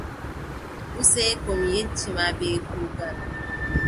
Useko mi yetti ma bee kuugal.